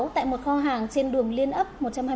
tại một kho hàng trên đường liên ấp một trăm hai mươi